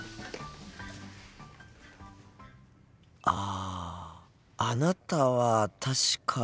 ああなたは確か。